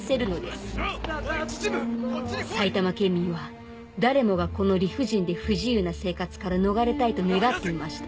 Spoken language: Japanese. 埼玉県民は誰もがこの理不尽で不自由な生活から逃れたいと願っていました。